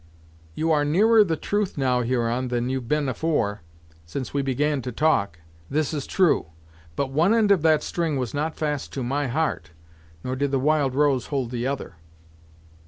"You are nearer the truth, now, Huron, than you've been afore, since we began to talk. This is true. But one end of that string was not fast to my heart, nor did the Wild Rose hold the other."